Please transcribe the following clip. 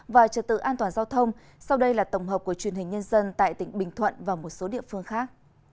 và trật tự an toàn giao thông sau đây là tổng hợp của truyền hình nhân dân tại tỉnh bình thuận và một số địa phương khác